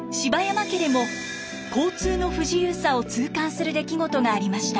山家でも交通の不自由さを痛感する出来事がありました。